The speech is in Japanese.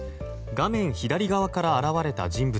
画面左側から現れた人物。